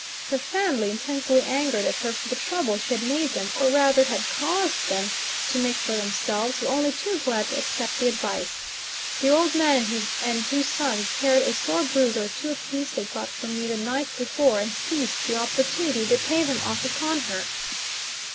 Her family, intensely angered at her for the trouble she had made them, or rather had caused them to make for themselves, were only too glad to accept the advice. The old man and two sons carried a sore bruise or two apiece they got from me the night before, and seized the opportunity to pay them off upon her.